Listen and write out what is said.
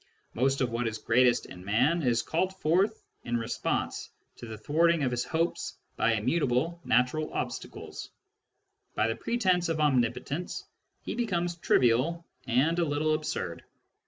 Most of what is greatest in man is called forth in response to the thwart ing of his hopes by immutable natural obstacles ; by the pretence of omnipotence, he becomes trivial and a little absurd.